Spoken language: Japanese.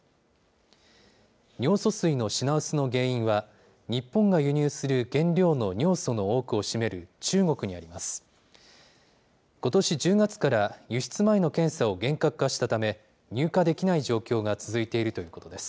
尿素水の品薄の原因は、日本が輸入する原料の尿素の多くを占める中国にあります。